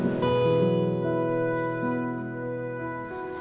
kamu kepikiran soal mama saya ya